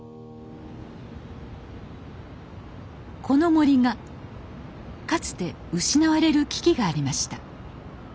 この森がかつて失われる危機がありました。